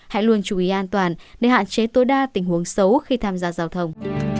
hãy luôn chú ý an toàn để hạn chế tối đa tình huống xấu khi tham gia giao thông